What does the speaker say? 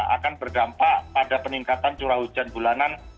akan berdampak pada peningkatan curah hujan bulanan